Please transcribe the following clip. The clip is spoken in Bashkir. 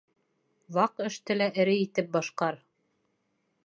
Ваҡ эште лә эре итеп башҡар.